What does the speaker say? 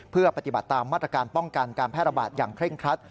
เพื่อปฏิบัติตามมาตรการป้องกันการแพร่ระบาดอย่างเร่งครัด